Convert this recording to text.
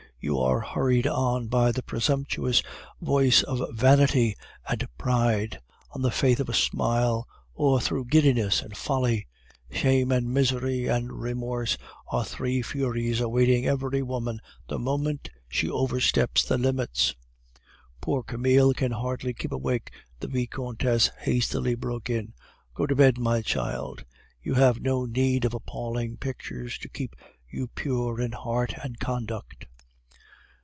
You are hurried on by the presumptuous voice of vanity and pride, on the faith of a smile, or through giddiness and folly! Shame and misery and remorse are three Furies awaiting every woman the moment she oversteps the limits " "Poor Camille can hardly keep awake," the Vicomtesse hastily broke in. "Go to bed, child; you have no need of appalling pictures to keep you pure in heart and conduct."